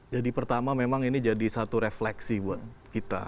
jadi pertama memang ini jadi satu refleksi buat kita